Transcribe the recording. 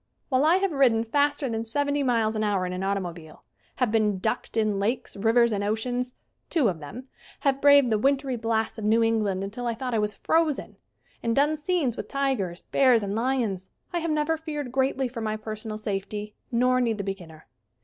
While I have ridden faster than seventy 120 SCREEN ACTING miles an hour in an automobile, have been "ducked" in lakes, rivers, and oceans two of them have braved the wintry blasts of New England until I thought I was frozen, and done scenes with tigers, bears and lions, I have never feared greatly for my personal safety nor need the beginner.